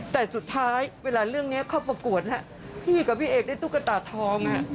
แต่สุดท้ายเวลาเรื่องนี้เข้าประกวดพี่กับพี่เอกได้ตุ๊กตาทอง